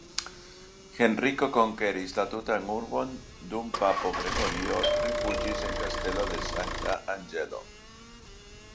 Henriko konkeris la tutan urbon dum papo Gregorio rifuĝis en Kastelo de Sankta Anĝelo.